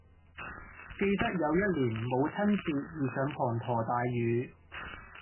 記得有一年母親節遇上滂沱大雨